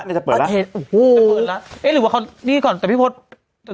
นี่จะเปิดละโอเคก็เปิดละเอ๊ะหรือว่าเขานี่ก่อนแต่พี่พจน์